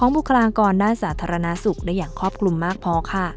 บุคลากรด้านสาธารณสุขได้อย่างครอบคลุมมากพอค่ะ